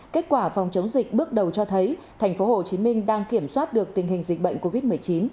kết quả phòng chống dịch bước đầu cho thấy tp hcm đang kiểm soát được tình hình dịch bệnh covid một mươi chín